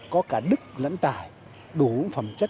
có cả đức lẫn tài đủ phẩm chất